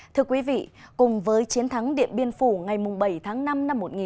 thưa quý vị cùng với chiến thắng điện biên phủ ngày bảy tháng năm năm một nghìn chín trăm bốn mươi năm